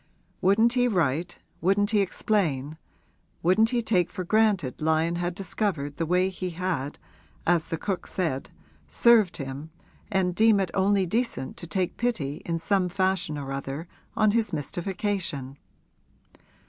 Wouldn't he write, wouldn't he explain, wouldn't he take for granted Lyon had discovered the way he had, as the cook said, served him and deem it only decent to take pity in some fashion or other on his mystification?